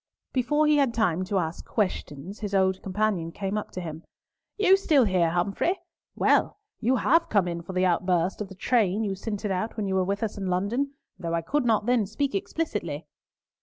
Before he had time to ask questions, his old companion came up to him. "You here still, Humfrey? Well. You have come in for the outburst of the train you scented out when you were with us in London, though I could not then speak explicitly."